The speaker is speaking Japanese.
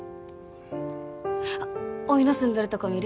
おいの住んどるとこ見る？